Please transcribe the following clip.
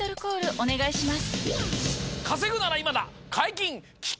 お願いします。